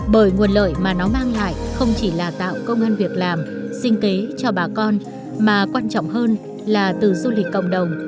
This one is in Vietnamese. bởi nguồn lợi mà nó mang lại không chỉ là tạo công an việc làm sinh kế cho bà con mà quan trọng hơn là từ du lịch cộng đồng